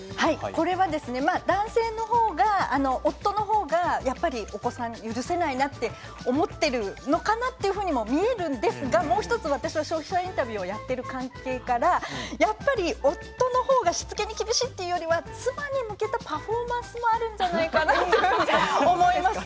男性の方が、夫の方がお子さん許せないなと思っているのかなと見えるんですがもう１つ、私は消費者インタビューをやっている関係から夫の方がしつけに厳しいというよりは妻に向けたパフォーマンスもあるんじゃないかなと思います。